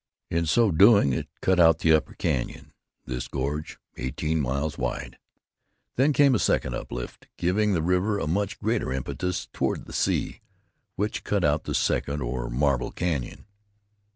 In so doing it cut out the upper canyon, this gorge eighteen miles wide. Then came a second uplift, giving the river a much greater impetus toward the sea, which cut out the second, or marble canyon.